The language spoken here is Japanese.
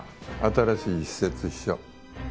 新しい私設秘書。